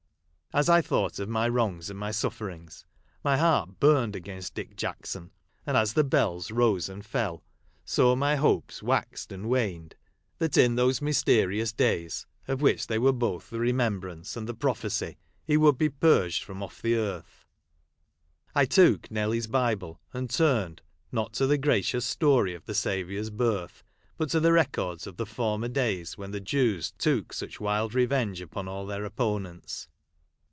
As I thought of my wrongs and my suffer ings, my heart burned against Dick Jackson ; and as the bells rose and fell, so my hopes waxed and waned, that in those mysterious days, of which they were both the remem brance and the prophecy, he would be purged from off the earth. I took Nelly's Bible, and turned, not to the gracious story of the Saviour's birth, biit to the records of the former days, when the Jews took such wild revenge upon all their opponents.